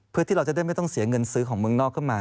เพื่อที่เราจะได้ไม่ต้องเสียเงินซื้อของเมืองนอกขึ้นมา